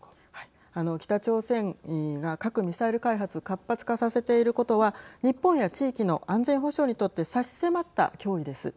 北朝鮮が核・ミサイル開発を活発化させていることは日本や地域の安全保障にとって差し迫った脅威です。